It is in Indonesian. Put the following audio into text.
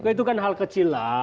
itu kan hal kecil lah